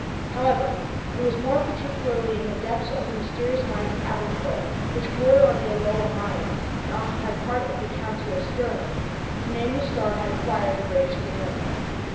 However, it was more particularly in the depths of the mysterious mines of Aberfoyle, which border on the Alloa mines and occupy part of the county of Stirling, that the name of Starr had acquired the greatest renown.